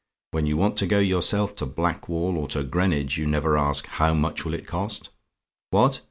When you want to go yourself to Blackwall or to Greenwich you never ask, how much will it cost? What?